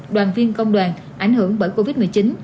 đoàn viên công đoàn ảnh hưởng bởi covid một mươi chín